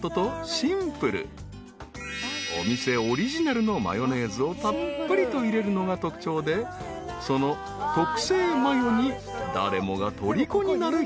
［お店オリジナルのマヨネーズをたっぷりと入れるのが特徴でその特製マヨに誰もがとりこになる秘密が］